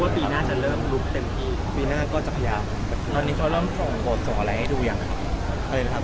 ตอนนี้เขาเริ่มส่งบทส่งอะไรให้ดูยังครับ